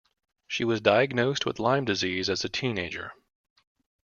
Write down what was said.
She was diagnosed with Lyme disease as a teenager.